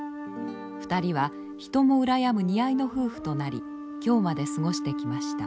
２人は人も羨む似合いの夫婦となり今日まで過ごしてきました。